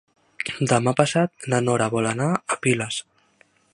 Demà passat na Nora vol anar a Piles.